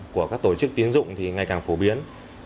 của các tổ chức tiến dụng thì ngày càng phổ biến